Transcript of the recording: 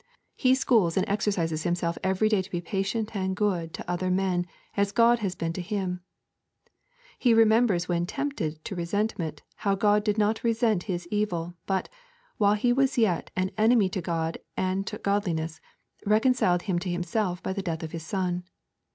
He schools and exercises himself every day to be patient and good to other men as God has been to him. He remembers when tempted to resentment how God did not resent his evil, but, while he was yet an enemy to God and to godliness, reconciled him to Himself by the death of His Son.